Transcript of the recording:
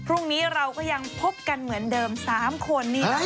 พรุ่งนี้เราก็ยังพบกันเหมือนเดิม๓คน